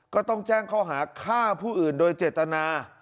ก็ต้องแจ้งข้อหาฆ่าผู้อื่นโดยเจตนา